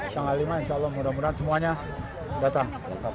tanggal lima insya allah mudah mudahan semuanya datang